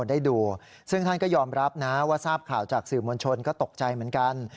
แล้วว่าทราบข่าวจากสื่อมวลชนก็ตกใจเหมือนกัน